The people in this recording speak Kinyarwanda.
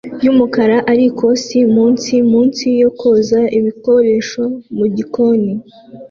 yumukara arikose-munsi munsi yo koza ibikoresho mugikoni